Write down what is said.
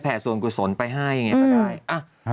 แผ่สวนกุศลไปให้ก็ได้